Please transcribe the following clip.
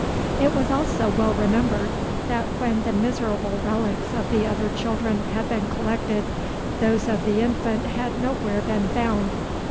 It was also well remembered, that when the miserable relics of the other children had been collected, those of the infant had nowhere been found.